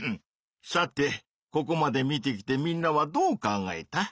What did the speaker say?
さてここまで見てきてみんなはどう考えた？